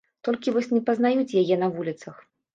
Толькі вось не пазнаюць яе на вуліцах.